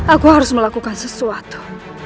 aku harus melakukan sesuatu